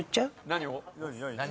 何を？